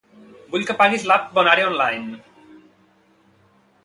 Vull que apaguis l'app BonÀrea Online.